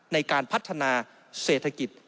ในการพัฒนาเศรษฐกิจ